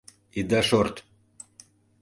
— Ида шорт!